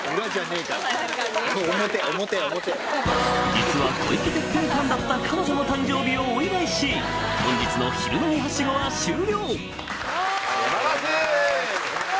実は小池徹平ファンだった彼女の誕生日をお祝いし本日の昼飲みハシゴは終了素晴らしい！